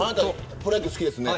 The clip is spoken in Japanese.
プロ野球好きですよね